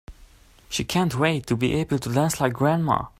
She can't wait to be able to dance like grandma!